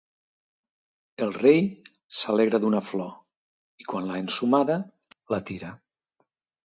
El rei s'alegra d'una flor i quan l'ha ensumada, la tira.